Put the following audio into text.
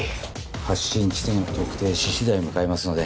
発信地点を特定し次第向かいますので。